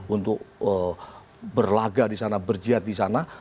untuk berlagak di sana berjihad di sana